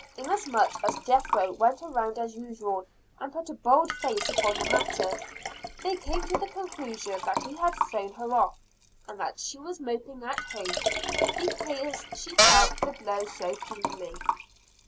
Inasmuch as Jethro went around as usual, and put a bold face upon the matter, they came to the conclusion that he had thrown her off, and that she was moping at home, because she felt the blow so keenly.